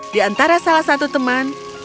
di antara salah satu teman